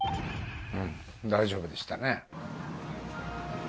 大丈夫でしたね。